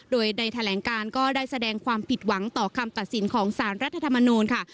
โดยในแถลงการก็ได้แสดงความผิดหวังต่อคำตัดสินของสารรัฐธรรมนูลค่ะ